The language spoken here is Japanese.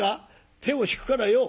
手を引くからよ」。